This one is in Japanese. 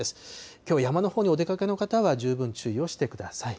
きょう山のほうにお出かけの方は、十分注意をしてください。